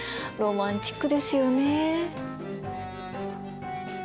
ロマンチックですよね。